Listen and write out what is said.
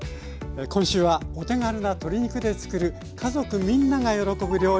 今週はお手軽な鶏肉でつくる家族みんなが喜ぶ料理。